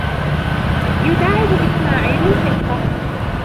يُدَاعَبُ إِسْمَاعِيلُ الْقِطَّ.